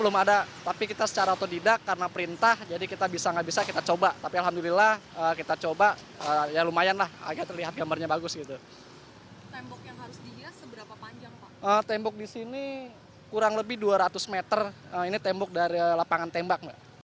mereka juga mencari tembok dari lapangan tembak